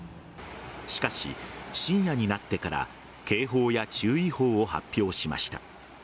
しかし、深夜になってから警報や注意報を発表しました。